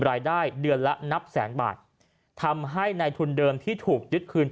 รายได้เดือนละนับแสนบาททำให้ในทุนเดิมที่ถูกยึดคืน